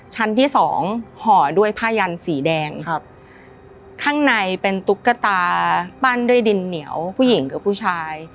ชั้นที่สองห่อด้วยผ้ายันสีแดงครับข้างในเป็นตุ๊กตาปั้นด้วยดินเหนียวผู้หญิงกับผู้ชาย